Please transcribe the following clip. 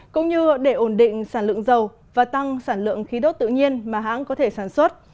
cũng như để ổn định sản lượng dầu và tăng sản lượng khí đốt tự nhiên mà hãng có thể sản xuất